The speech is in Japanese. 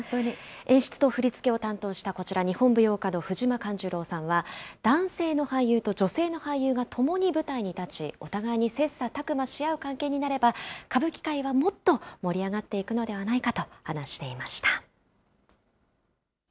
演出と振り付けを担当したこちら、日本舞踊家の藤間勘十郎さんは、男性の俳優と女性の俳優が共に舞台に立ち、お互いに切さたく磨し合う関係になれば、歌舞伎界はもっと盛り上がっていくのではないかと話していました。